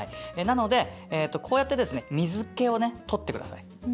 なのでこうやってですね水けをね取ってください。